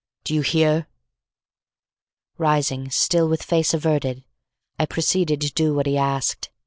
Do you hear?" Rising, still with face averted, I proceeded to do what he asked.